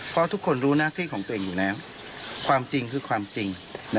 เพราะทุกคนรู้หน้าที่ของตัวเองอยู่แล้วความจริงคือความจริง